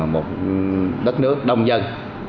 một đất nước đông dân